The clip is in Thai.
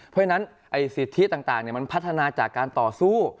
เพราะฉะนั้นสิทธิต่างมันพัฒนาจากการต่อสู้